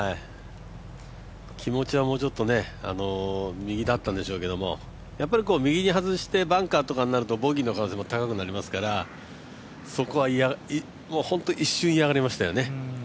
気持ちはもうちょっと右だったんでしょうけども右に外してバンカーとかになるとボギーの可能性も高くなりますからそこは一瞬嫌がりましたよね。